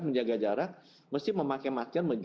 menjaga jarak mesti memakai masker